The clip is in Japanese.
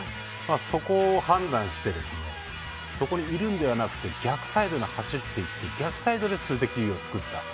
そこを判断してそこにいるのではなくて逆サイドに走っていって数的優位を作った。